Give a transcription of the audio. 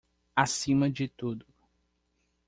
Acima de tudo